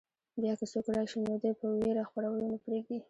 بیا که څوک راشي نو دوی په وېره خپرولو نه پرېږدي.